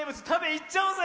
いっちゃおうぜ！